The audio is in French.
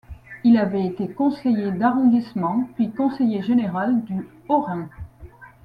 Il avait été conseiller d'arrondissement, puis conseiller général du Haut-Rhin.